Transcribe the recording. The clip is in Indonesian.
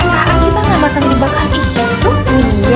saat kita tidak bisa menyebakannya itu